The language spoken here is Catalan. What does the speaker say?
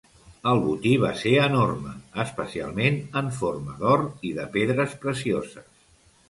El botí va ser enorme, especialment en forma d'or i de pedres precioses.